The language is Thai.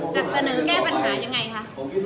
สำนึงแก้ปัญหาอย่างไรคะ